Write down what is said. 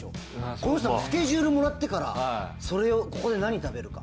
この人はスケジュールもらってからそれをここで何食べるか。